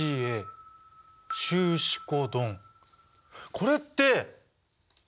これって！